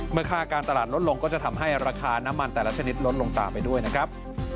เมื่อค่าการตลาดลดลงก็จะทำให้ราคาน้ำมันแต่ละชนิดลดลงตามไปด้วยนะครับ